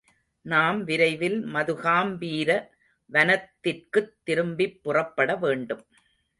நாம் விரைவில் மதுகாம்பீர வனத்திற்குத் திரும்பிப் புறப்பட வேண்டும்.